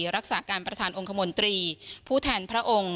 รักษาการประธานองค์คมนตรีผู้แทนพระองค์